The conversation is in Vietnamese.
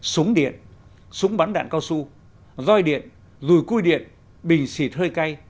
súng điện súng bắn đạn cao su roi điện rùi cui điện bình xịt hơi cay